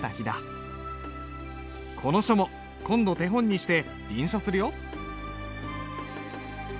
この書も今度手本にして臨書するよ。